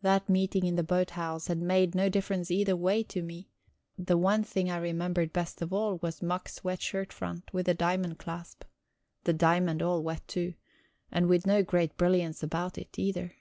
That meeting in the boathouse had made no difference either way to me; the one thing I remembered best of all was Mack's wet shirt front, with a diamond clasp the diamond all wet, too, and no great brilliance about it, either.